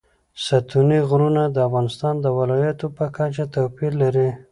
ستوني غرونه د افغانستان د ولایاتو په کچه توپیر لري.